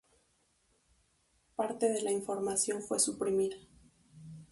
Parte de la información fue suprimida.